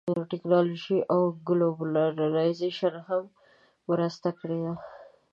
ټیکنالوژۍ او ګلوبلایزېشن هم مرسته کړې ده